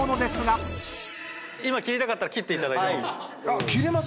今切りたかったら切っていただいても。